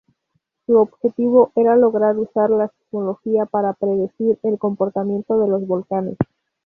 Su objetivo era lograr usar la sismología para predecir el comportamiento de los volcanes.